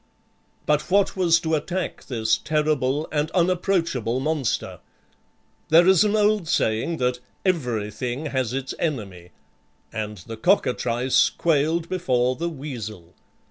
But what was to attack this terrible and unapproachable monster? There is an old saying that "everything has its enemy" and the cockatrice quailed before the weasel.